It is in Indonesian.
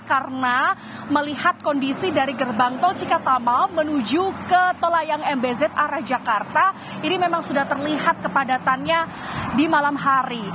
karena melihat kondisi dari gerbang tol cikatama menuju ke telayang mbz arah jakarta ini memang sudah terlihat kepadatannya di malam hari